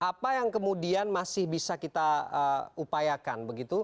apa yang kemudian masih bisa kita upayakan begitu